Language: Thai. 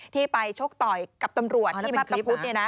ที่ไปชกต่อยกับตำรวจที่พับตะพุทธ